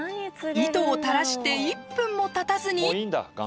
糸をたらして１分もたたずに。